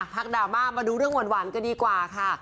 ดราม่ามาดูเรื่องหวานกันดีกว่าค่ะ